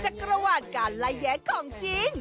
จักรวาลการณ์ไล่แยะของจริง